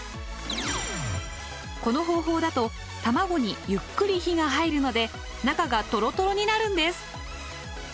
この方法だと卵にゆっくり火が入るので中がトロトロになるんです。